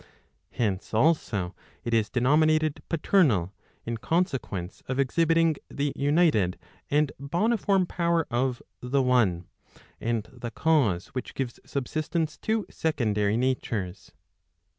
Hence also it is denominated paternal, in consequence of exhibiting the united and boniform power of the one, and the cause which gives subsistence to secondary natures.